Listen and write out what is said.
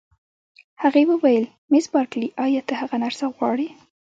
هغې وویل: مس بارکلي، ایا ته هغه نرسه غواړې؟